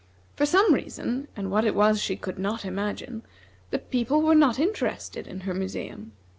For some reason, and what it was she could not imagine, the people were not interested in her museum.